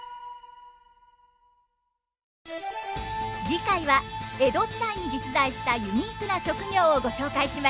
次回は江戸時代に実在したユニークな職業をご紹介します。